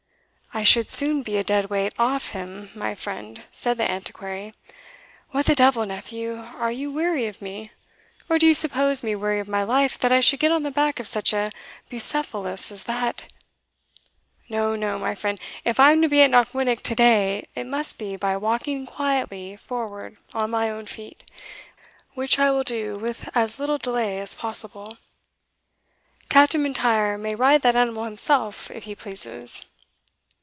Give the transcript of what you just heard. "I should soon be a dead weight off him, my friend," said the Antiquary. "What the devil, nephew, are you weary of me? or do you suppose me weary of my life, that I should get on the back of such a Bucephalus as that? No, no, my friend, if I am to be at Knockwinnock to day, it must be by walking quietly forward on my own feet, which I will do with as little delay as possible. Captain M'Intyre may ride that animal himself, if he pleases."